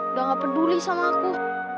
udah gak peduli sama aku